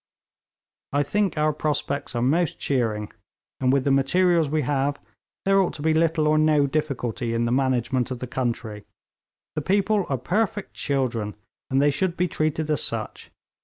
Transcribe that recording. I think our prospects are most cheering; and with the materials we have there ought to be little or no difficulty in the management of the country. The people are perfect children, and they should be treated as such.